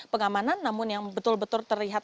pengamanan namun yang betul betul terlihat